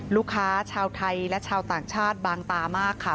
ลูกค้าชาวไทยและชาวต่างชาติบางตามากค่ะ